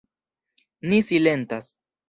Ni silentas.